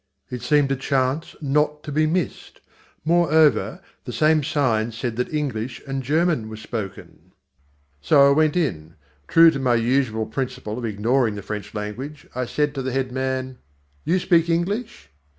It seemed a chance not to be missed. Moreover, the same sign said that English and German were spoken. So I went in. True to my usual principle of ignoring the French language, I said to the head man: "You speak English?"